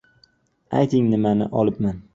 — Ayting, nimani olibman?